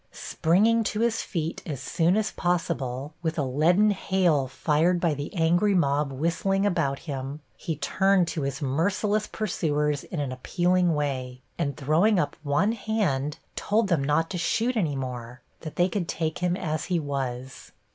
Springing to his feet as soon as possible, with a leaden, hail fired by the angry mob whistling about him, he turned to his merciless pursuers in an appealing way, and, throwing up one hand, told them not to shoot any more, that they could take him as he was.